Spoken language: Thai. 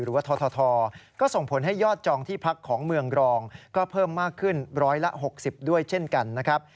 หรือว่าททก็ส่งผลให้ยอดจองที่พักของเมืองรองก็เพิ่มมากขึ้น๑๖๐ด้วยเช่นกันนะครับ